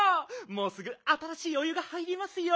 もうすぐあたらしいお湯が入りますよ！